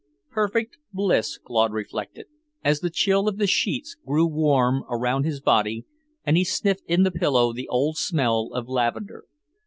Perfect bliss, Claude reflected, as the chill of the sheets grew warm around his body, and he sniffed in the pillow the old smell of lavender.